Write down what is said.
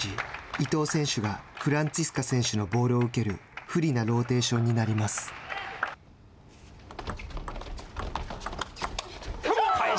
伊藤選手がフランツィスカ選手のボールを受ける不利なローテーションになります。